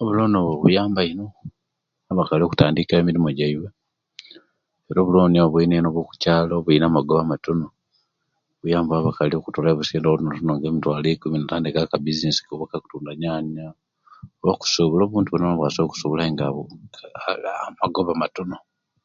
Obuloni bwo buyamba ino abakaali okutandikawo emirimo gyabwe era obuloni bwo nibwobo obwokukyalo obwiina amagoba matono buyambaku abaakali okutolayo busente butonotono nga mitwalo ikumi natandikawo akabizinensika nga kutunda enyanya oba kusubula obuntu bonabona obwasobola subula nga buvaamu magoba matono nasobola kwebesawo.